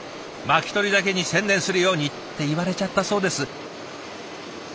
巻き取りだけに専念するように」って言われちゃったそうです。